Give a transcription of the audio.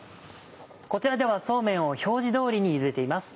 こちらではそうめんを表示通りにゆでています。